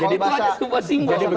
jadi tuhan itu semua simbol